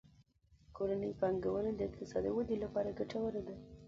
کورنۍ پانګونه د اقتصادي ودې لپاره ګټوره ده.